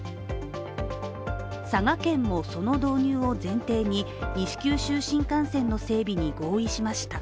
佐賀県も、その導入を前提に西九州新幹線の整備に合意しました。